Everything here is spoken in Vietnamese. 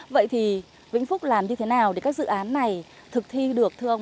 vậy thì vĩnh phúc làm như thế nào để các dự án này thực thi được thưa ông